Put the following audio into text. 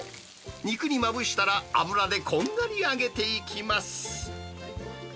肉にまぶしたら、油でこんがり揚げていきます。